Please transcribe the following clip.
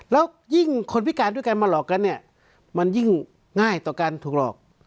แล้วยิ่งคนพิการด้วยกันมาหลอกกันเนี่ยมันยิ่งง่ายต่อการถูกหลอก